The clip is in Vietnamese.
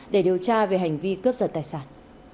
để điều tra về hành vi cướp giật tài sản